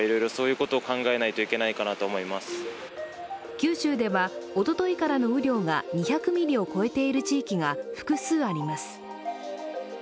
九州では、おとといからの雨量が２００ミリを超えている地域が複数あります。